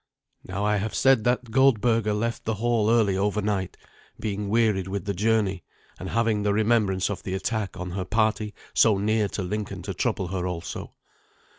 Now I have said that Goldberga left the hall early overnight, being wearied with the journey, and having the remembrance of the attack on her party so near to Lincoln to trouble her also.